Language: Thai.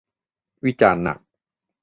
วิจารณ์หนัก